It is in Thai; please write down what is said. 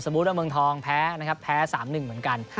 สมมติว่าเมืองทองแพ้๓๑เหมือนกัน